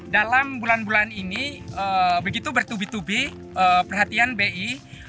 dalam bulan bulan ini begitu bertubi tubi perhatian bi